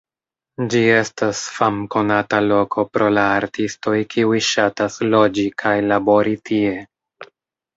Ĝi estas famkonata loko pro la artistoj kiuj ŝatas loĝi kaj labori tie.